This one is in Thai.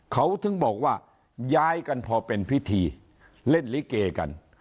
เขาถึงบอกว่าย้ายกันพอเป็นพิธีเล่นลิเกกัน